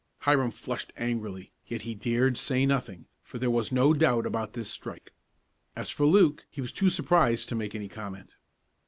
Hiram flushed angrily, yet he dared say nothing, for there was no doubt about this strike. As for Luke, he was too surprised to make any comment.